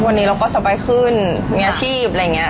วันนี้เราก็สบายขึ้นมีอาชีพอะไรอย่างนี้